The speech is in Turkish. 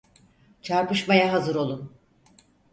Çarpışmaya hazır olun!